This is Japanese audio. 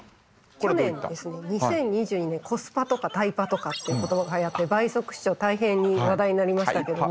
去年ですね２０２２年コスパとかタイパとかっていう言葉がはやって倍速視聴大変に話題になりましたけども。